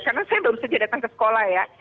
karena saya baru saja datang ke sekolah ya